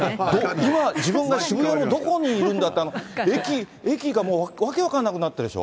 今、自分が渋谷のどこにいるんだって、駅、駅がもう訳分かんなくなってるでしょ。